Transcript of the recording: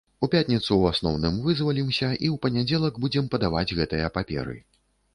У пятніцу ў асноўным вызвалімся і ў панядзелак будзем падаваць гэтыя паперы.